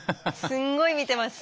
すんごい見てます。